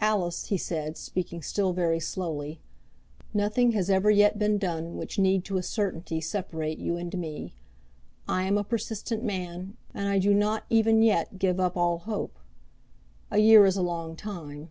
"Alice," he said, speaking still very slowly, "nothing has ever yet been done which need to a certainty separate you and me. I am a persistent man, and I do not even yet give up all hope. A year is a long time.